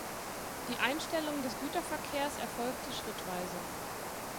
Die Einstellung des Güterverkehrs erfolgte schrittweise.